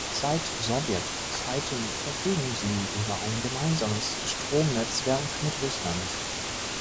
Seit Sowjetzeiten verfügen sie über ein gemeinsames Stromnetzwerk mit Russland.